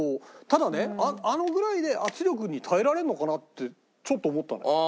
ただねあのぐらいで圧力に耐えられるのかなってちょっと思ったのよ。